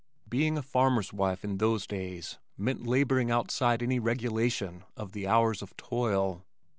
Being a farmer's wife in those days, meant laboring outside any regulation of the hours of toil.